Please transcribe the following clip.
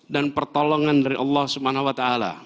dan pertolongan dari allah swt